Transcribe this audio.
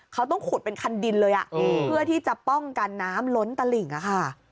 เขาต้องขุดเป็นคันดินเลยเพื่อที่จะป้องกันน้ำล้นตลิ่งอะค่ะ